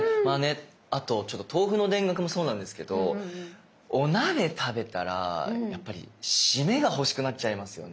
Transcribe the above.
あと豆腐の田楽もそうなんですけどお鍋食べたらやっぱりシメが欲しくなっちゃいますよね。